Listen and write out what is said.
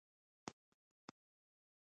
غول د اوبو غوښتونکی دی.